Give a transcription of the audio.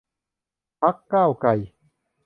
พรรคก้าวไกล